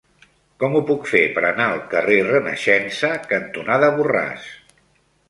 Com ho puc fer per anar al carrer Renaixença cantonada Borràs?